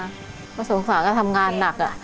ส่วนสต์ทศาสตร์ก็ทำงานหนัก